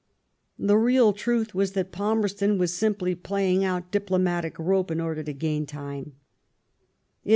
The real truth was that Palmerston was simply playing out diplomatic rope in order to gain time.